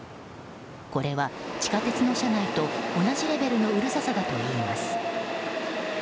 これは地下鉄の車内と同じレベルのうるささだといいます。